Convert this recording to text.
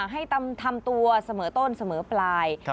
ให้ทำตัวเสมอต้นเสมอปลาย